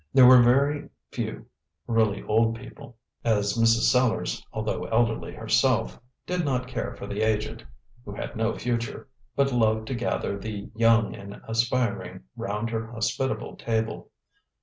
There were very few really old people, as Mrs. Sellars although elderly herself did not care for the aged, who had no future, but loved to gather the young and aspiring round her hospitable table.